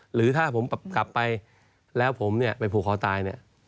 หรือถ้าผมกลับไปแล้วผมไปผูกคอตาย